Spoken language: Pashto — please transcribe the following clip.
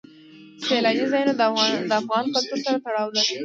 سیلانی ځایونه د افغان کلتور سره تړاو لري.